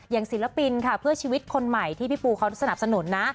ศิลปินค่ะเพื่อชีวิตคนใหม่ที่พี่ปูเขาสนับสนุนนะ